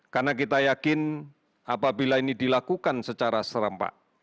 karena kita yakin apabila ini dilakukan secara serampak